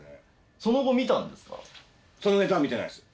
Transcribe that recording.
その後見たんですか？